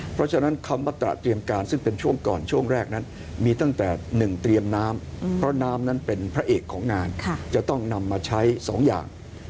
เพราะฉะนั้นคำว่าตระเตรียมการซึ่งเป็นช่วงก่อนช่วงแรกนั้นมีตั้งแต่๑เตรียมน้ำเพราะน้ำนั้นเป็นพระเอกของงานจะต้องนำมาใช้๒อย่าง